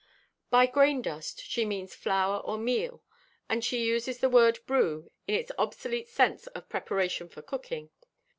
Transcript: By grain dust she means flour or meal, and she uses the word brew in its obsolete sense of preparation for cooking.